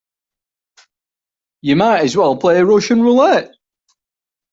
You might as well play Russian roulette.